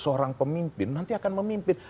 seorang pemimpin nanti akan memimpin